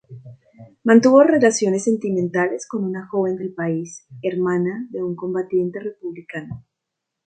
Mantuvo relaciones sentimentales con una joven del país, hermana de un combatiente republicano.